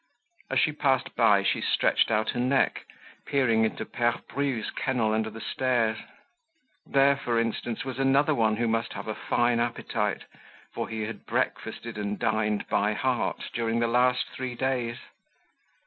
As she passed by she stretched out her neck, peering into Pere Bru's kennel under the stairs. There, for instance, was another one who must have a fine appetite, for he had breakfasted and dined by heart during the last three days.